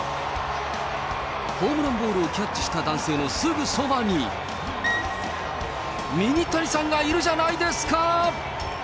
ホームランボールをキャッチした男性のすぐそばに、ミニタニさんがいるじゃないですか！